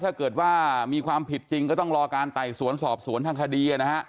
ถ้าเกิดว่ามีความผิดจริงก็ต้องรอการไต่สวนสอบสวนทางคดีนะฮะ